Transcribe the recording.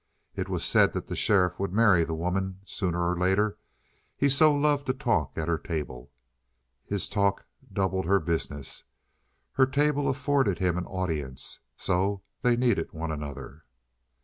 It was said that the sheriff would marry the woman sooner or later, he so loved to talk at her table. His talk doubled her business. Her table afforded him an audience; so they needed one another.